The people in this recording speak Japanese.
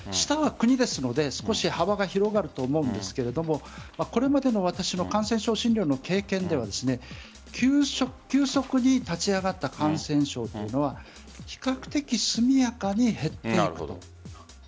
下は国ですので少し幅が広がると思うんですがこれまでの私の感染症診療の経験では急速に立ち上がった感染症というのは比較的速やかに減っていくと。